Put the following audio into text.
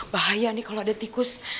bahaya nih kalau ada tikus